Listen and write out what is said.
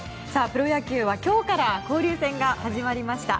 プロ野球は今日から交流戦が始まりました。